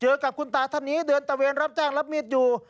กับคุณตาท่านนี้เดินตะเวนรับจ้างรับมีดอยู่